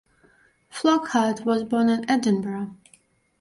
Flockhart was born in Edinburgh.